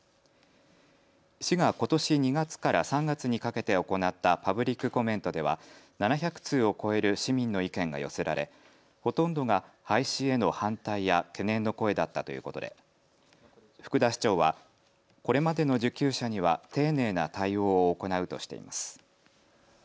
市がことし２月から３月にかけて行ったパブリックコメントでは７００通を超える市民の意見が寄せられほとんどが廃止への反対や懸念の声だったということで福田市長はこれまでの受給者には丁寧な対応を行うとしています。